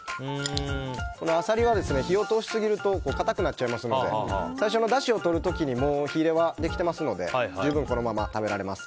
アサリは火を通しすぎると硬くなっちゃいますので最初のだしをとる時に火入れはできてますので十分このまま食べられます。